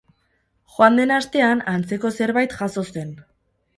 Joan den astean antzeko zerbait jazo zen.